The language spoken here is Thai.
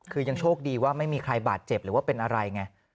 คือยังโชคดีว่าไม่มีใครบาดเจ็บหรือว่าเป็นอะไรไง